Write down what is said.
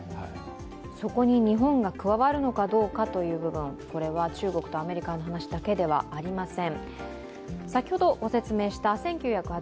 そこに日本が加わるかどうかという部分、中国とアメリカだけの話ではありません。